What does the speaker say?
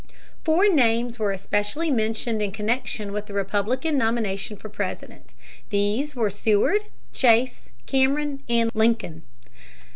Four names were especially mentioned in connection with the Republican nomination for President. These were Seward, Chase, Cameron, and Lincoln.